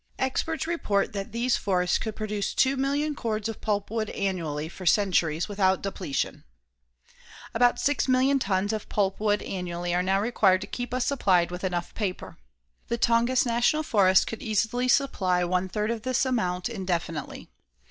Experts report that these forests could produce 2,000,000 cords of pulpwood annually for centuries without depletion. About 6,000,000 tons of pulpwood annually are now required to keep us supplied with enough paper. The Tongass National Forest could easily supply one third of this amount indefinitely.